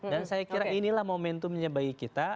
dan saya kira inilah momentumnya bagi kita